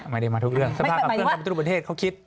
ไม่ได้มาทุกเรื่องทรภาคับเครื่องการประตูรูปประเทศเขาคิด